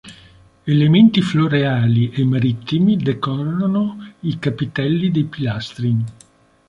Elementi floreali e marittimi decorano i capitelli dei pilastri.